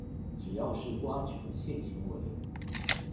只要是不安全性行為